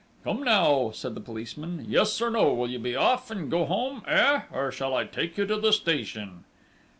"Come now," said the policeman. "Yes, or no! Will you be off, and go home?... Eh!... Or shall I take you to the station?..."